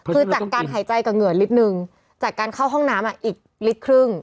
คือจากการหายใจกับเหงื่อนิดนึงจากการเข้าห้องน้ำอีกลิตรครึ่ง